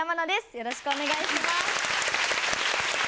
よろしくお願いします。